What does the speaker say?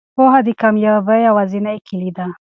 پوهه د کامیابۍ یوازینۍ کیلي ده.